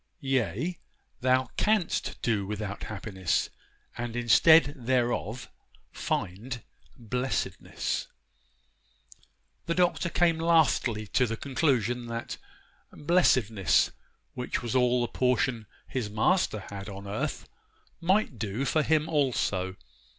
Yea, thou canst do without happiness, and instead thereof find blessedness.' The Doctor came lastly to the conclusion that 'blessedness,' which was all the portion his Master had on earth, might do for him also.